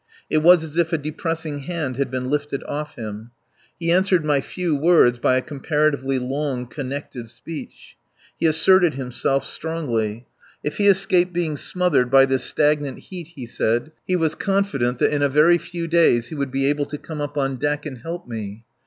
It was as if a depressing hand had been lifted off him. He answered my few words by a comparatively long, connected speech. He asserted himself strongly. If he escaped being smothered by this stagnant heat, he said, he was confident that in a very few days he would be able to come up on deck and help me.